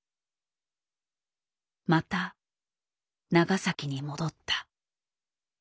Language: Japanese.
また長崎に戻った。